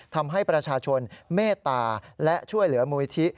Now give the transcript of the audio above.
ทำให้ประชาชนเมตตาและช่วยเหลือมูลิธิ